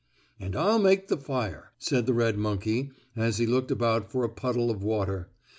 "And I'll make the fire," said the red monkey as he looked about for a puddle of water.